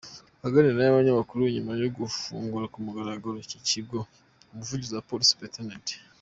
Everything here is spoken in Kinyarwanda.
Aganira n’abanyamakuru nyuma yo gufungura ku mugaragaro iki kigo, Umuvugizi wa Police, Supt.